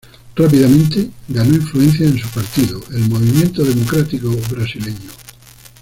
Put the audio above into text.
Rápidamente ganó influencia en su partido, el Movimiento Democrático Brasileño.